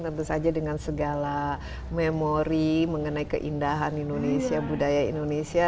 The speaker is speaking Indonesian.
tentu saja dengan segala memori mengenai keindahan indonesia budaya indonesia